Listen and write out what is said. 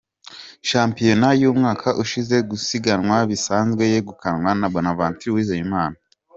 Shampiyona y’umwaka ushize mu gusiganwa bisanzwe yegukanwe na Bonaventure Uwizeyimana.